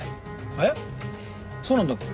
えっそうなんだっけ？